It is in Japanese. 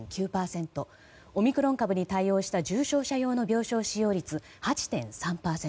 オミクロン株に対応した重症者用の病床使用率は８．３％。